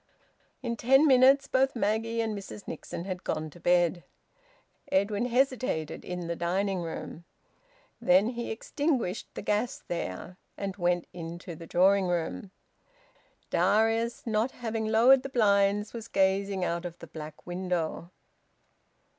In ten minutes both Maggie and Mrs Nixon had gone to bed. Edwin hesitated in the dining room. Then he extinguished the gas there, and went into the drawing room. Darius, not having lowered the blinds, was gazing out of the black window.